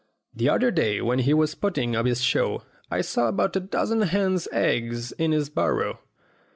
The other day when he was putting up his show I saw about a dozen hens' eggs in his barrow.